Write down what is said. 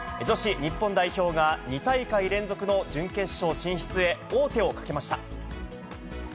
女子日本代表が、２大会連続の準決勝進出へ、王手をかけました。